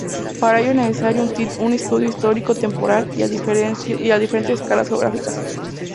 Para ello es necesario un estudio histórico-temporal y a diferentes escalas geográficas.